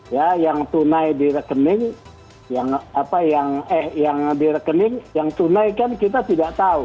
yang tunai di rekening yang tunai kan kita tidak tahu